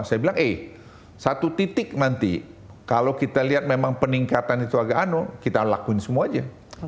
saya bilang eh satu titik nanti kalau kita lihat memang peningkatan itu agak anu kita lakuin semua aja